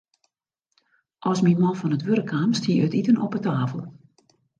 As myn man fan it wurk kaam, stie it iten op 'e tafel.